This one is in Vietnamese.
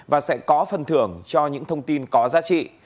và sẽ có phần thưởng cho những thông tin có giá trị